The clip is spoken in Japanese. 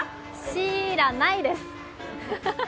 シーイラないです。